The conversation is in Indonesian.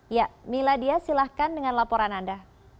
ya miladia silahkan dengan laporan anda